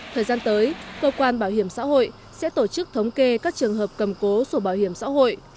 thời gian tới cơ quan bảo hiểm xã hội sẽ tổ chức thống kê các trường hợp cầm cố sổ bảo hiểm xã hội